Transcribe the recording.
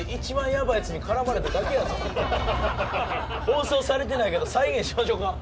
放送されてないけど再現しましょか。